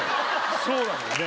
そうなのよね。